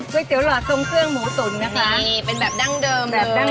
กุ้ยเตี๋วหลอดทรงเครื่องหมูตุ๋นนะคะเป็นแบบดั้งเดิมเลย